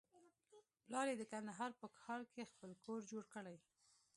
پلار يې د کندهار په ښار کښې خپل کور جوړ کړى.